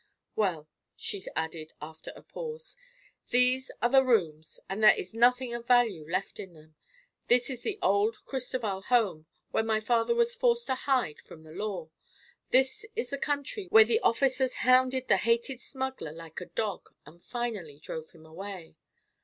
"Well," she added after a pause, "these are the rooms, and there is nothing of value left in them; this is the old Cristoval home, where my father was forced to hide from the law; this is the country where the officers hounded the hated smuggler like a dog and finally drove him away.